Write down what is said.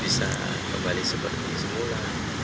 bisa kembali seperti semula